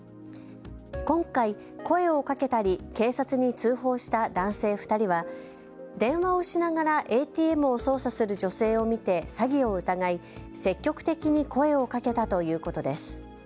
今回、声をかけたり、警察に通報した男性２人は電話をしながらＡＴＭを操作する女性を見て詐欺を疑い、積極的に声をかけたということです。